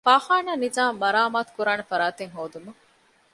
ފާޚާނާ ނިޒާމު މަރާމާތުކުރާނެ ފަރާތެއް ހޯދުމަށް